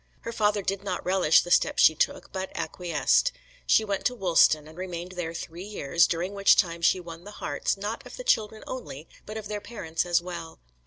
Her father did not relish the step she took, but acquiesced. She went to Woolston, and remained there three years, during which time she won the hearts, not of the children only, but of their parents as well.